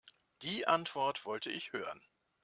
Die Antwort wollte ich hören.